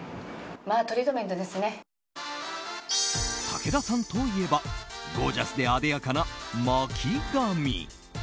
武田さんといえばゴージャスであでやかな巻き髪。